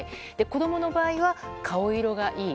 子供の場合は顔色がいい。